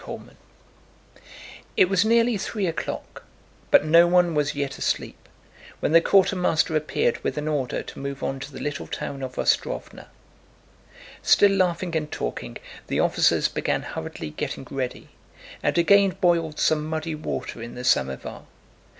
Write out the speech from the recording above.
CHAPTER XIV It was nearly three o'clock but no one was yet asleep, when the quartermaster appeared with an order to move on to the little town of Ostróvna. Still laughing and talking, the officers began hurriedly getting ready and again boiled some muddy water in the samovar.